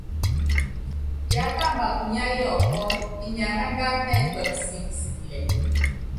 Yákamba kunya yɔpɔ́, inyi anándána nɛkuɛmɛ sikikisikilɛ.